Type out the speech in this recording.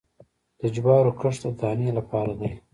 د جوارو کښت د دانې لپاره دی